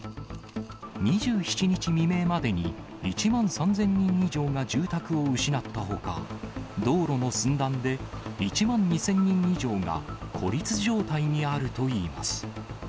２７日未明までに１万３０００人以上が住宅を失ったほか、道路の寸断で１万２０００人以上が孤立状態にあるといいます。